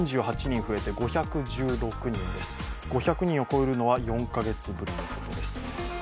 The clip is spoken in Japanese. ５００人を超えるのは４カ月ぶりのことです。